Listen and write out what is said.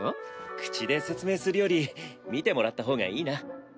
口で説明するより見てもらった方がいいな。